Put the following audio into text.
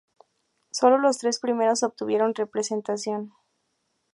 Sólo los tres primeros obtuvieron representación.